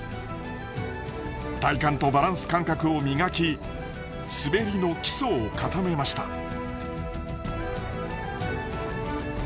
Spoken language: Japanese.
体幹とバランス感覚を磨き滑りの基礎を固めました。